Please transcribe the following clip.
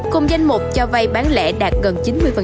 cùng danh mục cho vay bán lẻ đạt gần chín mươi